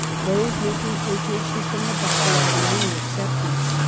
Those making quotations from the Bible are the only exception.